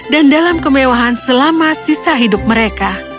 dan dalam kemewahan selama sisa hidup mereka